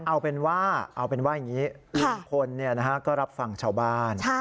เอาเป็นว่าลุงพลเราก็รับฟังชาวบ้าน